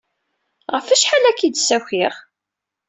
Ɣef wacḥal ara k-id-ssakiɣ?